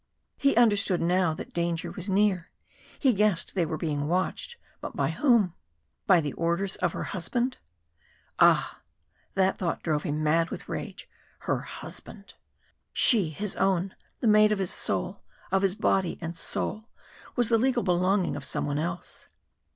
He understood now that danger was near he guessed they were being watched but by whom? By the orders of her husband? Ah! that thought drove him mad with rage her husband! She his own the mate of his soul of his body and soul was the legal belonging of somebody else!